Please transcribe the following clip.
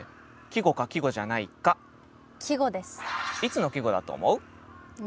いつの季語だと思う？